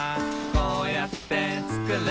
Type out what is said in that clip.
こうやってつくる」